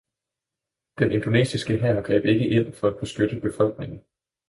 Den indonesiske hær greb ikke ind for at beskytte befolkningen.